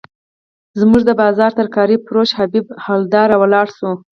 زموږ د بازار ترکاري فروش حبیب حوالدار راولاړ شو.